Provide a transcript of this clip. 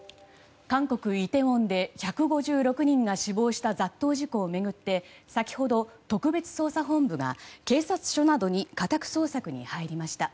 韓国イテウォンで１５６人が死亡した雑踏事故を巡って先ほど特別捜査本部が警察署などに家宅捜索に入りました。